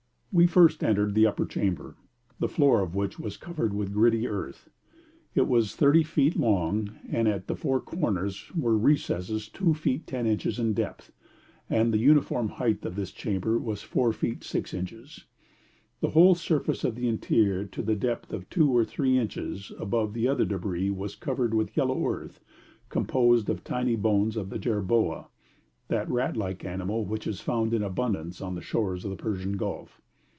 We first entered the upper chamber, the floor of which was covered with gritty earth. It was 30 feet long, and at the four corners were recesses 2 feet 10 inches in depth, and the uniform height of this chamber was 4 feet 6 inches. The whole surface of the interior to the depth of two or three inches above the other débris was covered with yellow earth composed of the tiny bones of the jerboa, that rat like animal which is found in abundance on the shores of the Persian Gulf.